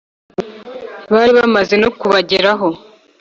bari bamaze no kubageraho